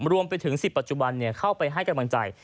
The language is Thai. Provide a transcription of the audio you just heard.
รวมไปถึง๑๐ปัจจุบันเข้าไปให้กำลังใจ